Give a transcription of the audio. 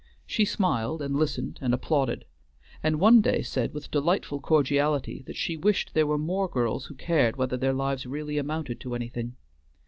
She smiled, and listened, and applauded, and one day said with delightful cordiality that she wished there were more girls who cared whether their lives really amounted to anything.